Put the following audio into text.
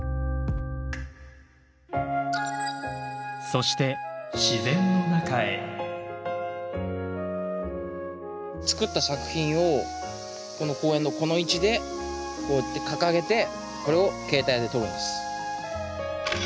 そして作った作品をこの公園のこの位置でこうやって掲げてこれを携帯で撮るんです。